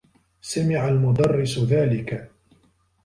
سمع المدرّس ذلك.